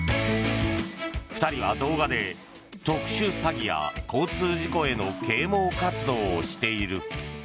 ２人は動画で特殊詐欺や交通事故への啓もう活動をしている。